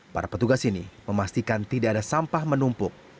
para petugas ini memastikan tidak ada sampah menumpuk